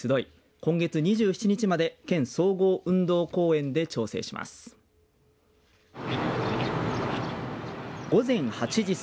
今月２７日まで県総合運動公園で調整します。